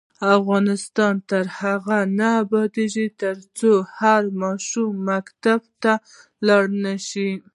افغانستان تر هغو نه ابادیږي، ترڅو هر ماشوم مکتب ته لاړ نشي.